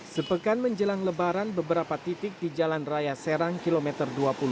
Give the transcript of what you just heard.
sepekan menjelang lebaran beberapa titik di jalan raya serang kilometer dua puluh dua